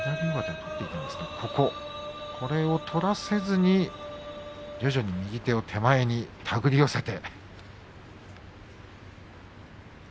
取らせずに徐々に右手を手前に手繰り寄せて。